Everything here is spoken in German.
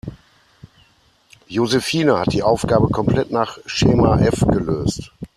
Josephine hat die Aufgabe komplett nach Schema F gelöst.